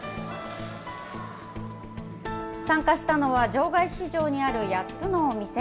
参加したのは場外市場にある８つのお店。